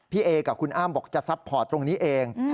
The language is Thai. เอกับคุณอ้ำบอกจะซัพพอร์ตตรงนี้เอง